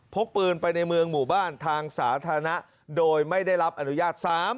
พกปืนไปในเมืองหมู่บ้านทางสาธารณะโดยไม่ได้รับอนุญาต